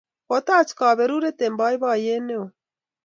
Kotach kaperuret eng' poipoiyet ne oo